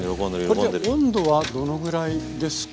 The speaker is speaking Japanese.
これで温度はどのぐらいですか？